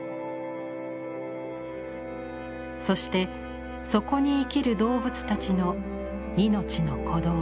そしてそこに生きる動物たちの命の鼓動。